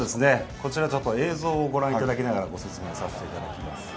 こちら映像をご覧いただきながら、説明をさせていただきます。